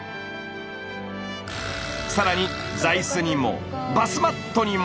更に座いすにもバスマットにも！